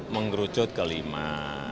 sepuluh mengerucut kelima